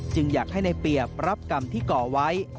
อยากให้ในเปรียบรับกรรมที่ก่อไว้